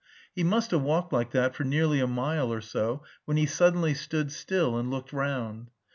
He must have walked like that for nearly a mile or so when he suddenly stood still and looked round.